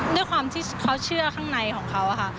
ด้วยความที่เขาเชื่อข้างในของเขาค่ะ